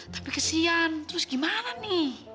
tapi kesian terus gimana nih